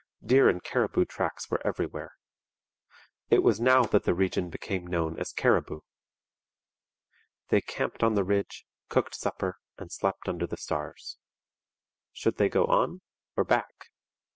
Deer and caribou tracks were everywhere. It was now that the region became known as Cariboo. They camped on the ridge, cooked supper, and slept under the stars. Should they go on, or back?